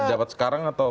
baru dapat sekarang atau